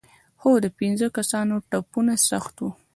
خو د پېنځو کسانو ټپونه سخت وو.